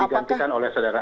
dan digantikan oleh sederhana